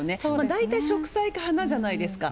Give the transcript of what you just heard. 大体植栽か花じゃないですか。